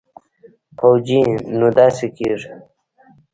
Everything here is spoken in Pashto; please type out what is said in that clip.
پوجي نو داسې کېږي.